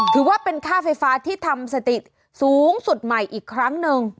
ถือว่าเป็นค่าไฟฟ้าที่ทำสติสูงสุดใหม่อีกครั้งหนึ่ง